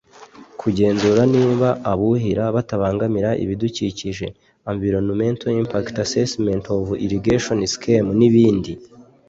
Kugenzura niba abuhira batabangamira ibidukikije (Environmental impacts assessment of irrigation schemes) n’ibindi